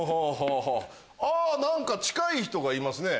何か近い人がいますね。